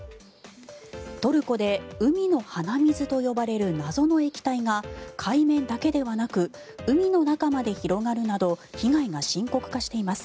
トルコで海の鼻水と呼ばれる謎の液体が海面だけではなく海の中まで広がるなど被害が深刻化しています。